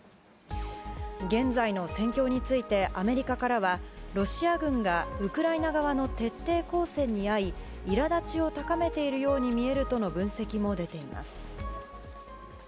現在の戦況についてアメリカからはロシア軍がウクライナ側の徹底抗戦に遭い苛立ちを高めているように見えるとの分析も出ています。